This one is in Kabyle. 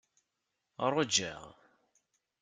Ṛujaɣ.